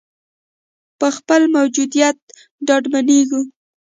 په خپل موجودیت ډاډمنېږو.